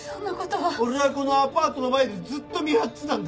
俺はこのアパートの前でずっと見張ってたんだ！